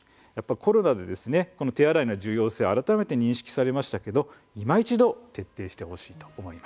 コロナで、手洗いの重要性が改めて認識されましたがいま一度徹底してほしいと思います。